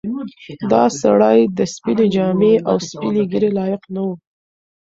دا سړی د سپینې جامې او سپینې ږیرې لایق نه و.